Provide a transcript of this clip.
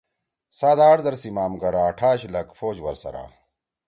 سات آٹ زر سیِمام گر آٹھاش لک پھوج ورسرا